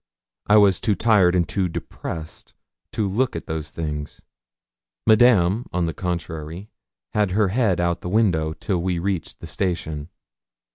I was too tired and too depressed to look at those things. Madame, on the contrary, had her head out of the window till we reached the station.